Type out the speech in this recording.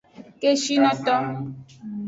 Keshinoto.